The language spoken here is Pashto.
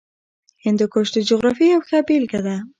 هندوکش د جغرافیې یوه ښه بېلګه ده.